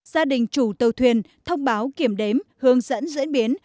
gia đình chủ tàu thuyền thông báo kiểm đếm hướng dẫn diễn biến